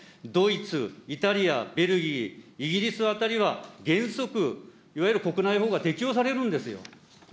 ドイツ、イタリア、ベルギー、イギリス辺りは、原則いわゆる国内法が適用されるんですよ。